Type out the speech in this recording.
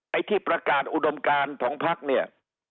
ไอ้ที่ประกาศอุดมการของพักเนี่ย